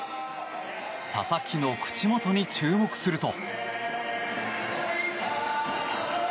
佐々木の口元に注目すると。